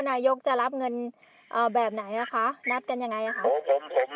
นายกจะรับเงินเอ่อแบบไหนอะคะนัดกันยังไงอะคะโอ้ผมผม